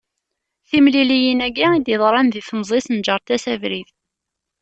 Timliliyin-agi i d-yeḍṛan di temẓi-s neğṛent-as abrid.